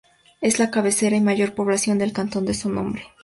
Es la cabecera y mayor población del cantón de su nombre.